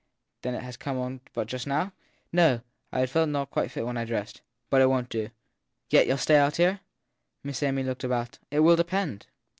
Then it has come on but just now ? No I felt not quite fit when I dressed. But it won t do. Yet you ll stay out here ? Miss Amy looked about. It will depend